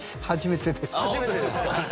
初めてですか。